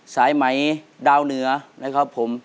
สายไหมดาวเหนือนะครับผม